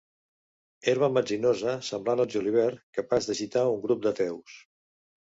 Herba metzinosa semblant al julivert, capaç d'agitar un grup d'ateus.